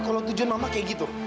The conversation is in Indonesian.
kalau tujuan mama kayak gitu